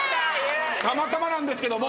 たまたまなんですけども。